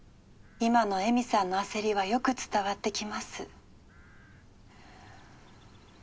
今の江美さんの焦りはよく伝わってきます。